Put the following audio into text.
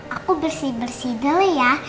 aku bersih bersih dulu ya